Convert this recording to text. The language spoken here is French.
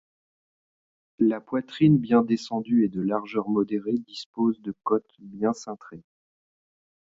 La poitrine bien descendue et de largeur modérée dispose de côtes bien cintrées.